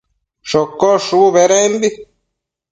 shocosh shubu bedembi